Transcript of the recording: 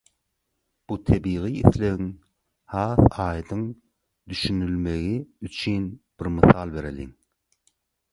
Bu tebigy islegiň has aýdyň düşünilmegi üçin bir mysal bereliň.